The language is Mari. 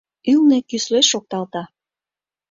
Ӱлнӧ кӱсле шокталта.